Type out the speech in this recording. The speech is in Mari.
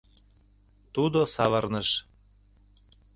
Тудо савырныш.